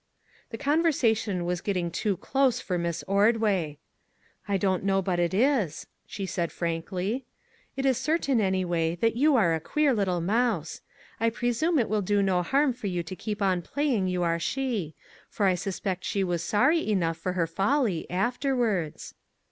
The conversation was getting too close for Miss Ordway. " I don't know but it is," she said frankly. " It is certain anyway that you are a queer little mouse. I presume it will do no harm for you to keep on playing you are she ; for I suspect she was sorry enough for her folly, afterwards."